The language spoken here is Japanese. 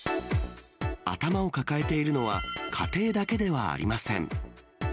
頭を抱えているのは、家庭だけではありません。